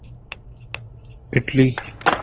Italy